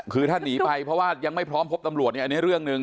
คือถ้าหนีไปเพราะว่ายังไม่พร้อมพบตำรวจเนี่ยอันนี้เรื่องหนึ่ง